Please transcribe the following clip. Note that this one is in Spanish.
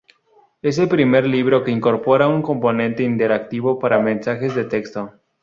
Es el primer libro que incorpora un componente interactivo para mensajes de texto.